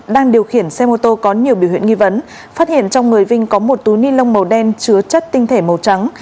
đang điều khiển xe mô tô có nhiều biểu hiện nghi vấn phát hiện trong người vinh có một túi ni lông màu đen chứa chất tinh thể màu trắng